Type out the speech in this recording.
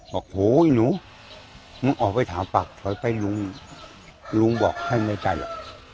บอกโหยหนูหนูออกไปถามปากถอยไปลุงลุงบอกให้ในใจล่ะ